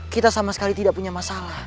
kita sama sekali tidak punya masalah